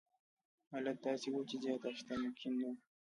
حالت داسې و چې زیات اخیستل ممکن نه وو.